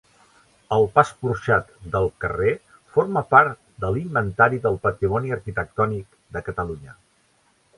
El pas porxat del carrer forma part de l'Inventari del Patrimoni Arquitectònic de Catalunya.